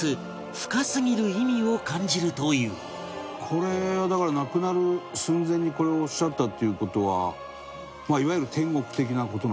これはだから亡くなる寸前にこれをおっしゃったっていう事はまあいわゆる天国的な事なのかな？